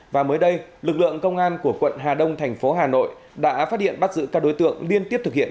và mới đây lực lượng công an của quận hà đông thành phố hà nội đã phát hiện bắt giữ các đối tượng liên tiếp thực hiện